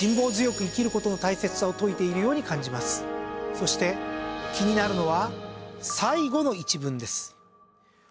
そして気になるのは最後の一文です。